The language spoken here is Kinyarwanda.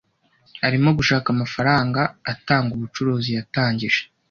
Arimo gushaka amafaranga atanga ubucuruzi yatangije.